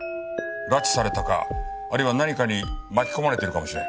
拉致されたかあるいは何かに巻き込まれているかもしれん。